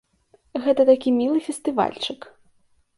Гэта такі мілы фестывальчык.